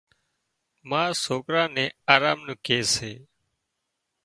ما سوڪران نين آرام نُون ڪي سي